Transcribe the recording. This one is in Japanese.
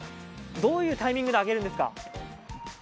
どういうタイミングで揚げるんですか。